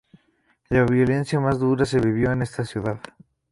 La violencia más dura se vivió en esta ciudad...